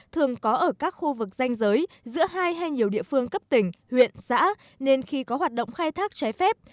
thường có ở các khu vực danh giới giữa hai hay nhiều địa phương cấp tỉnh huyện xã nên khi có hoạt động khai thác trái phép